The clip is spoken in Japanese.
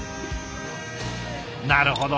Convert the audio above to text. なるほど。